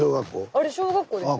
あれ小学校ですよ。